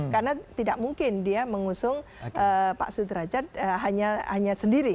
karena tidak mungkin dia mengusung pak sudrajat hanya sendiri